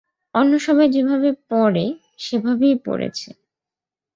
অন্য সবাই যেভাবে পরে, সেভাবেই পরেছে।